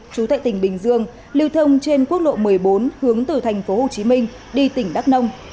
chú tại tỉnh bình dương lưu thông trên quốc lộ một mươi bốn hướng từ thành phố hồ chí minh đi tỉnh đắk nông